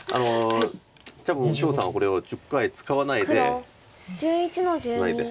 多分張栩さんはこれを１０回使わないでツナいで。